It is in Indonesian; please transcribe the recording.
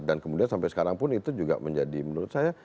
dan kemudian sampai sekarang pun itu juga menjadi menurut saya